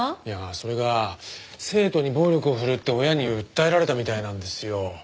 いやそれが生徒に暴力を振るって親に訴えられたみたいなんですよ。